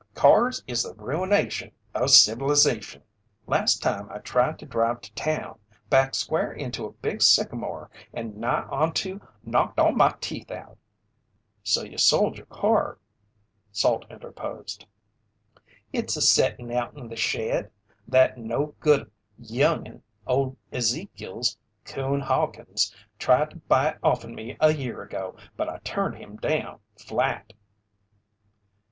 "Cars is the ruination o' civilization! Last time I tried to drive to town, backed square into a big sycamore and nigh onto knocked all my teeth out!" "So you sold your car?" Salt interposed. "It's a settin' out in the shed. That no good young'un o' Ezekiel's, Coon Hawkins, tried to buy it off'en me a year ago, but I turned him down flat."